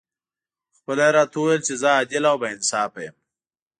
خپله یې راته وویل چې زه عادل او با انصافه یم.